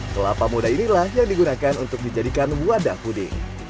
kelapa muda inilah yang digunakan untuk dijadikan wadah puding